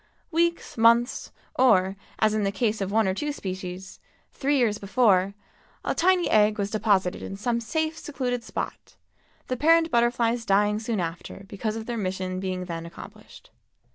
Weeks, months, or—as in the case of one or two species—three years before, a tiny egg was deposited in some safe, secluded spot, the parent butterflies dying soon after because of their mission being then accomplished.